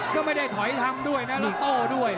ก็ไม่ได้ถอยทำด้วยนะลูกโต้ด้วย